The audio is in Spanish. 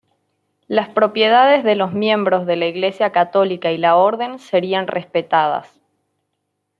Las propiedades de los miembros de la Iglesia católica y la Orden serían respetadas.